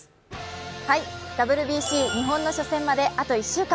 ＷＢＣ日本の初戦まであと１週間。